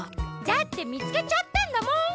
だってみつけちゃったんだもん。